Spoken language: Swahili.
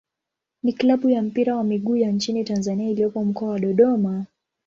ni klabu ya mpira wa miguu ya nchini Tanzania iliyopo Mkoa wa Dodoma.